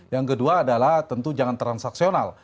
yang kedua adalah tentu jangan transaksional